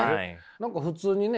何か普通にね